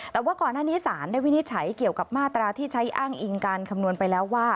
แต่ว่าก่อนหน้านี้สารได้วินิจฉัยเกี่ยวกับมาตราที่ใช้อ้างอิงการคำนวณไปแล้วว่า